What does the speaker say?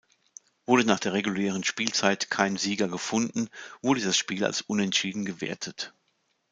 Wurde nach der regulären Spielzeit kein Sieger gefunden, wurde das Spiel als unentschieden gewertet.